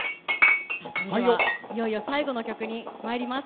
それではいよいよ最後の曲に参ります。